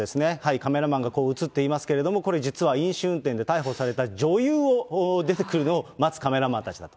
カメラマンがこう写っていますけれども、これ実は飲酒運転で逮捕された女優を、出てくるのを待つカメラマンたちだと。